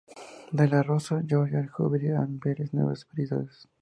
De la rosa 'Royal Jubilee' hay varias nuevas variedades.